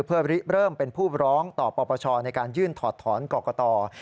เพื่อเริ่มเป็นผู้ร้องต่อปปชในการยื่นถอดถอนกรกต